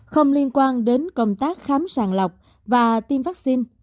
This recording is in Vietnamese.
không liên quan đến công tác khám sàng lọc và tiêm vaccine